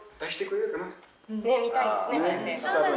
見たいですね。